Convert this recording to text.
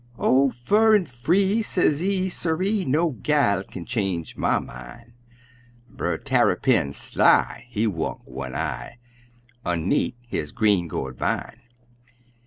"Oh, fur an' free," sezee, "siree, No gal kin change my min'!" Brer Tarrypin, sly, he wunk one eye, Un'neat' his green gourd vine!